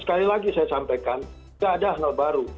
sekali lagi saya sampaikan tidak ada hal baru